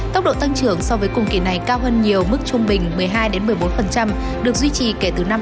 tốc độ tăng trưởng so với cùng kỳ này cao hơn nhiều mức trung bình một mươi hai một mươi bốn được duy trì kể từ năm hai nghìn một